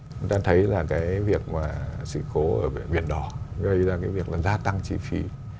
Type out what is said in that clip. chúng ta thấy là cái việc mà sự cố ở biển đỏ gây ra cái việc là gia tăng chi phí